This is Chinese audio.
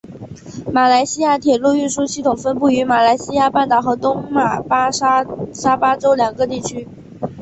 马来西亚铁路运输系统分布于马来西亚半岛和东马沙巴州两个地区。